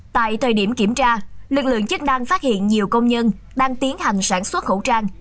tại thời điểm kiểm tra lực lượng chức năng phát hiện nhiều công nhân đang tiến hành sản xuất khẩu trang